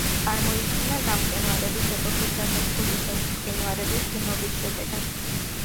წარმოიქმნა გამყინვარების ეპოქის დასასრულისას, მყინვარების დნობის შედეგად.